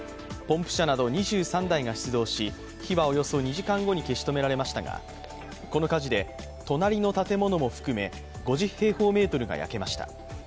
ポンプ車など２３台が出動し、火はおよそ２時間後に消し止められましたがこの火事で隣の建物も含め５０平方メートルが焼けました。